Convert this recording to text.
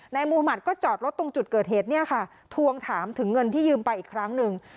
มุมัติก็จอดรถตรงจุดเกิดเหตุเนี่ยค่ะทวงถามถึงเงินที่ยืมไปอีกครั้งหนึ่ง